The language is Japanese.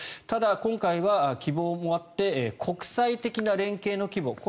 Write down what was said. ただ今回は希望もあって国際的な連帯の規模